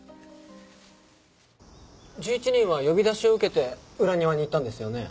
１１人は呼び出しを受けて裏庭に行ったんですよね？